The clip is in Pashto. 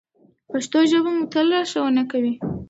پښتو ژبه به مو تل لارښوونه کوي.